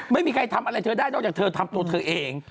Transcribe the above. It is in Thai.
ไม่มีใครทำอะไรเธอได้นอกจากเธอทำตัวเธอเอง